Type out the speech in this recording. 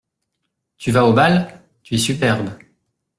Tu vas au bal ? tu es superbe.